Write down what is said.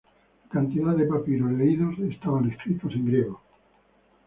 La cantidad de papiros leídos estaban escritos en griego